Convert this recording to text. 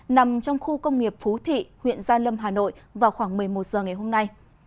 nằm trong khu công nghiệp phú thị huyện gia lâm hà nội vào khoảng một mươi một h ngày hôm nay